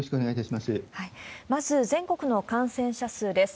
まず、全国の感染者数です。